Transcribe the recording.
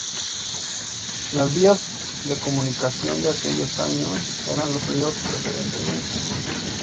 Las vías de comunicación de aquellos años eran los ríos preferentemente.